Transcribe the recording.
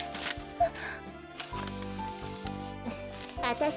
あっ！